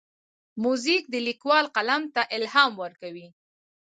موزیک د لیکوال قلم ته الهام ورکوي.